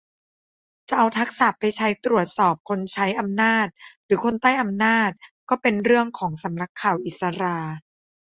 จะเอาทักษะไปใช้ตรวจสอบคนใช้อำนาจหรือคนใต้อำนาจ ก็เป็นเรื่องของสำนักข่าวอิศรา